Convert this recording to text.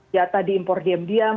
jatah diimpor diam diam